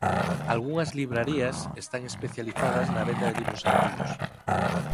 Algunhas librarías están especializadas na venda de libros antigos.